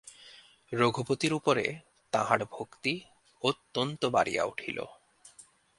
রঘুপতির উপরে তাঁহার ভক্তি অত্যন্ত বাড়িয়া উঠিল।